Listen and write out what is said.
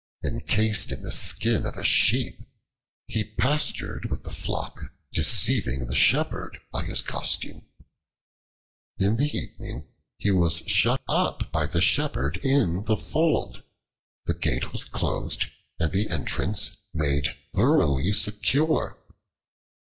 Encased in the skin of a sheep, he pastured with the flock deceiving the shepherd by his costume. In the evening he was shut up by the shepherd in the fold; the gate was closed, and the entrance made thoroughly secure.